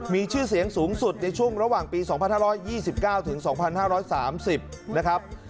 มีชื่อเสียงสูงสุดในช่วงระหว่างปี๒๕๒๙ถึง๒๕๓๐นะครับ